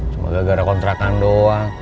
semoga gara kontrakan doang